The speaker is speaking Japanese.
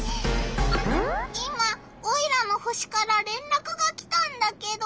今オイラの星かられんらくが来たんだけど。